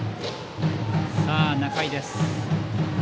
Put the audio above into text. さあ、仲井です。